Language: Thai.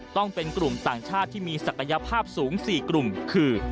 ต้องเป็นกลุ่มต่างชาติที่มีศักยภาพสูง๔กลุ่มคือ